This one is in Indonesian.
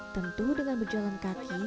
tentu dengan berjalan kaki